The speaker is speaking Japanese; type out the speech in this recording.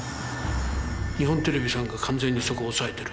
日本テレビさんが完全にそこを押さえてる。